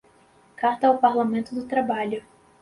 Carta ao Parlamento do Trabalho